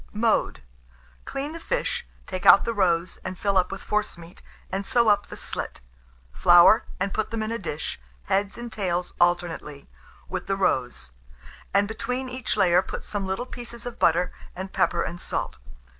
Mode. Clean the fish, take out the roes, and fill up with forcemeat, and sew up the slit. Flour, and put them in a dish, heads and tails alternately, with the roes; and, between each layer, put some little pieces of butter, and pepper and salt.